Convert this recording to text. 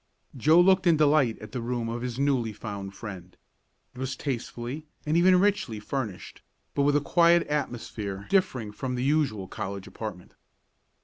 Joe looked in delight at the room of his newly found friend. It was tastefully, and even richly, furnished, but with a quiet atmosphere differing from the usual college apartment.